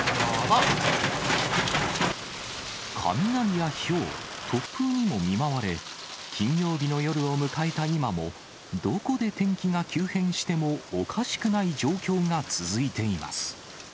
雷やひょう、突風にも見舞われ、金曜日の夜を迎えた今も、どこで天気が急変してもおかしくない状況が続いています。